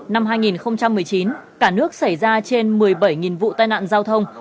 năm hai nghìn một mươi chín cả nước xảy ra trên một mươi bảy vụ tai nạn giao thông